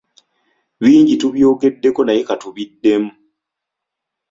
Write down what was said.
Bingi tubyogeddeko naye ka tubiddemu.